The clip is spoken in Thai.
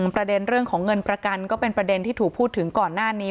ประเด็นเรื่องของเงินประกันก็เป็นประเด็นที่ถูกพูดถึงก่อนหน้านี้